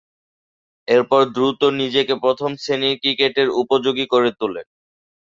এরপর দ্রুত নিজেকে প্রথম-শ্রেণীর ক্রিকেটের উপযোগী করে তুলেন।